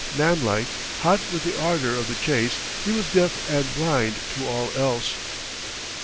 Man like, hot with the ardor of the chase, he was deaf and blind to all else.